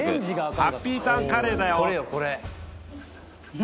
ハッピーターンカレーだよ何？